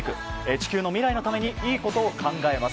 地球の未来のためにいいことを考えます。